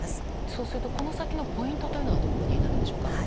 そうするとこの先のポイントはどこになるんでしょうか。